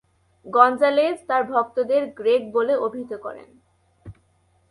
Gonzalez তার ভক্তদের "Greg" বলে অভিহিত করেন।